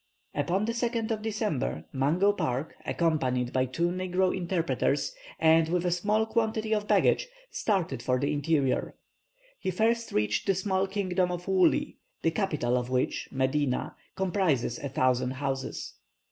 Upon the 2nd of December, Mungo Park, accompanied by two negro interpreters, and with a small quantity of baggage, started for the interior. He first reached the small kingdom of Woolli, the capital of which, Medina, comprises a thousand houses.